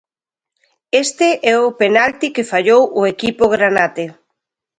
Este é o penalti que fallou o equipo granate.